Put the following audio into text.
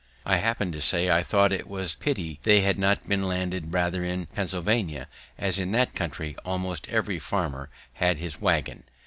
I happen'd to say I thought it was pity they had not been landed rather in Pennsylvania, as in that country almost every farmer had his waggon.